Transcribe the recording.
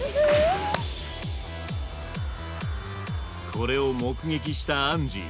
これを目撃したアンジー。